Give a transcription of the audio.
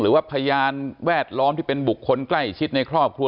หรือว่าพยานแวดล้อมที่เป็นบุคคลใกล้ชิดในครอบครัว